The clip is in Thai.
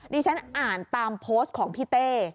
ฉันอ่านตามโพสต์ของพี่เต้